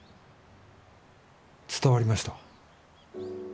伝わりました